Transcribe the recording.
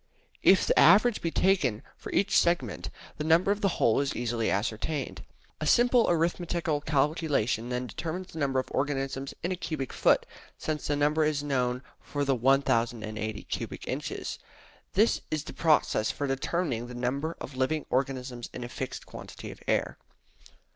If the average be taken for each segment, the number of the whole is easily ascertained. A simple arithmetical calculation then determines the number of organisms in a cubic foot, since the number is known for the 1080 cubic inches. That is the process for determining the number of living organisms in a fixed quantity of air.